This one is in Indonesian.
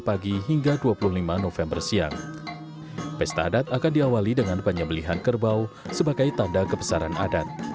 pesta adat akan diawali dengan penyembelihan kerbau sebagai tanda kebesaran adat